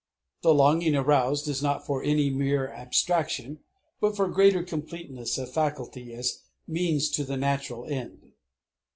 The longing aroused is not for any mere abstraction, but for greater completeness of faculty as means to the natural end.